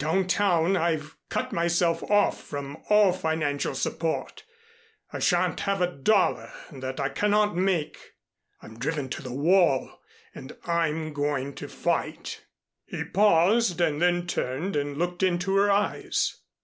Downtown I've cut myself off from all financial support. I shan't have a dollar that I cannot make. I'm driven to the wall and I'm going to fight." He paused and then turned and looked into her eyes.